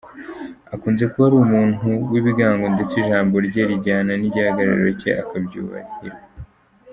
Akunze kuba ari umuntu w’ibigango ndetse ijambo rye rijyana n’igihagararro cye akabyubahirwa.